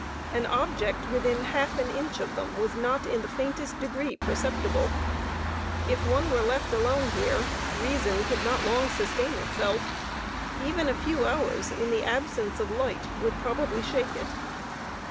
An object within half an inch of them was not in the faintest degree perceptible. If one were left alone here, reason could not long sustain itself. Even a few hours, in the absence of light, would probably shake it.